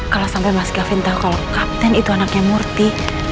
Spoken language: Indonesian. kalo sampe mas gavin tau kalo kapten itu anaknya murthy